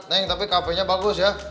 neng tapi kafe nya bagus ya